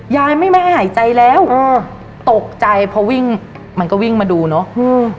ยายไม่ไม่ให้หายใจแล้วเออตกใจพอวิ่งมันก็วิ่งมาดูเนอะอืม